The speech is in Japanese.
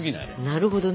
なるほどな。